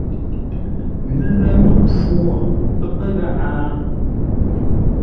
Mələ mi mpfu wo pə́ gháʼá?